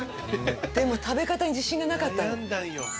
でも食べ方に自信がなかったの。